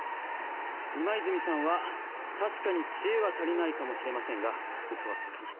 今泉さんは確かに知恵は足りないかもしれませんがウソはつかない。